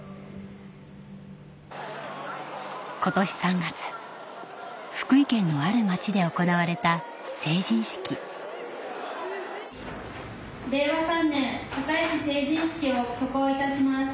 今年３月福井県のある町で行われた成人式令和３年坂井市成人式を挙行いたします。